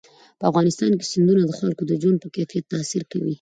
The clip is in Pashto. په افغانستان کې سیندونه د خلکو د ژوند په کیفیت تاثیر کوي.